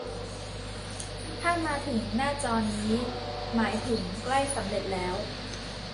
ถ้ามาถึงหน้าจอนี้ หมายถึงใกล้สำเร็จแล้ว